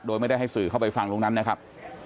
โดยไม่ได้ให้สื่อเข้าไปฟังตรงนั้นนะครับ